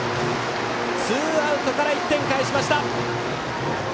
ツーアウトから１点返しました。